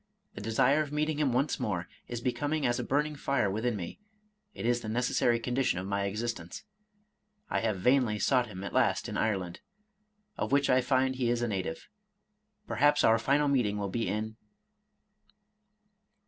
— ^The desire of meet ing him once more is become as a burning fire within me, — ^it is the necessary condition of my existence. I have vainly sought him at last in Ireland, of which I find he is a native.' — Perhaps our final meeting will be in